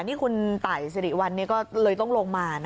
นี่คุณต่ายสิริวันก็เลยต้องลงมานะครับ